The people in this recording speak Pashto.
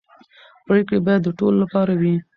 پرېکړې باید د ټولو لپاره وي